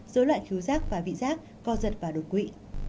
dối loạn khiếu giác và vị giác co giật và đột quỵ